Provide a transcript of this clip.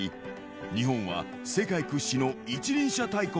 日本は世界屈指の一輪車大国。